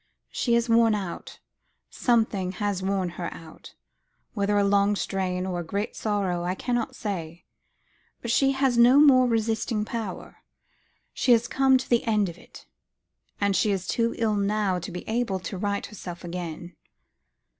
"She is worn out; something has worn her out; whether a long strain, or a great sorrow, I cannot say. But she has no more resisting power; she has come to the end of it all. And she is too ill now to be able to right herself again."